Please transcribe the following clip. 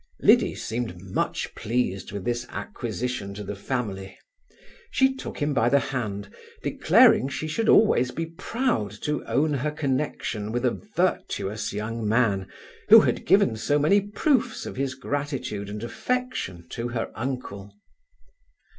Liddy seemed much pleased with this acquisition to the family. She took him by the hand, declaring she should always be proud to own her connexion with a virtuous young man, who had given so many proofs of his gratitude and affection to her uncle.